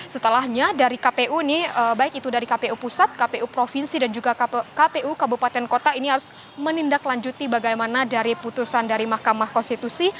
setelahnya dari kpu ini baik itu dari kpu pusat kpu provinsi dan juga kpu kabupaten kota ini harus menindaklanjuti bagaimana dari putusan dari mahkamah konstitusi